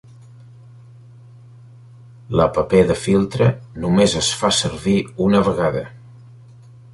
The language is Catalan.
La paper de filtre només es fa servir una vegada.